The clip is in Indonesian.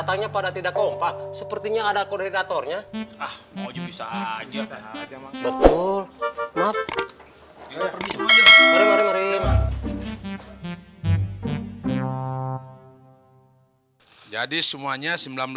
sampai jumpa di video selanjutnya